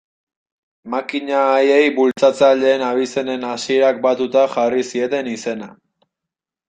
Makina haiei bultzatzaileen abizenen hasierak batuta jarri zieten izena.